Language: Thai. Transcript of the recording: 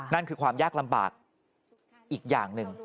นั่นคือความยากลำบากอีกอย่างหนึ่ง